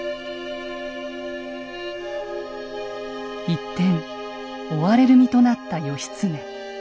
一転追われる身となった義経。